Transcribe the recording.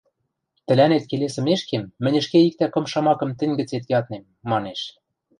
– Тӹлӓнет келесӹмешкем, мӹнь ӹшке иктӓ кым шамакым тӹнь гӹцет яднем, – манеш.